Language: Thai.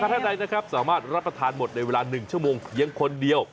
หากลูกค้าท่านใดสามารถรับประทานหมดในเวลา๑ชั่วโมงเยี่ยงคนเดียว